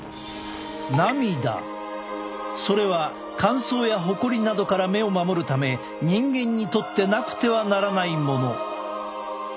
それは乾燥やホコリなどから目を守るため人間にとってなくてはならないもの。